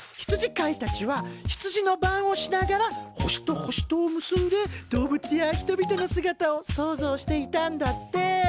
羊飼いたちは羊の番をしながら星と星とを結んで動物や人々の姿を想像していたんだって。